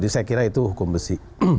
saya kira itu hukum besi